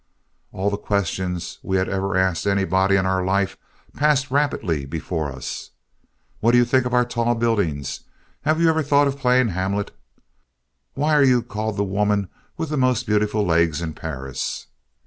All the questions we had ever asked anybody in our life passed rapidly before us. "What do you think of our tall buildings?" "Have you ever thought of playing Hamlet?" "Why are you called the woman with the most beautiful legs in Paris?"